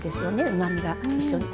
うまみが一緒に。